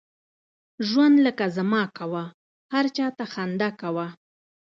ژوند لکه زما کوه ، هر چاته خنده کوه!